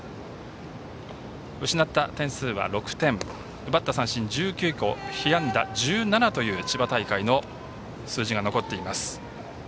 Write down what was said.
失った点数は６点奪った三振１９個被安打１７という千葉大会の数字が残っています。